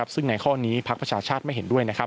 ซึ่งในข้อนี้พักประชาชาติไม่เห็นด้วย